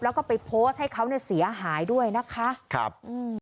แล้วก็ไปโพสต์ให้เขาเนี่ยเสียหายด้วยนะคะครับอืม